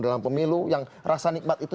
dalam pemilu yang rasa nikmat itu